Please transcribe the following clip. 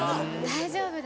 大丈夫。